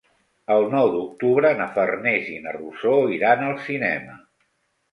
El nou d'octubre na Farners i na Rosó iran al cinema.